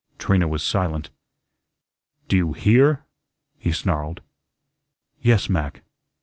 Trina was silent. "Do you HEAR?" he snarled. "Yes, Mac."